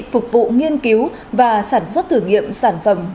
phục vụ nghiên cứu và sản xuất thử nghiệm sản phẩm